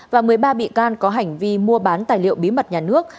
và một mươi ba bị can có hành vi mua bán tài liệu bí mật nhà nước